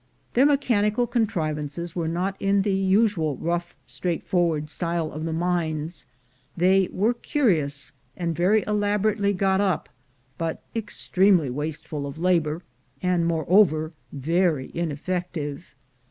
Their mechanical contrivances were not in the usual rough straightforward style of the mines; they were curious, and very elaborately got up, but extremely wasteful of labor, and, moreover, very ineffective.